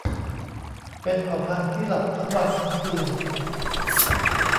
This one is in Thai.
เป็นเผ่าพันธุ์ที่หลับทั้งวันทั้งคืน